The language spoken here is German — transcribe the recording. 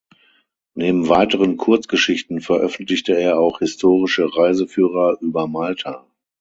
Neben weiteren Kurzgeschichten veröffentlichte er auch historische Reiseführer über Malta.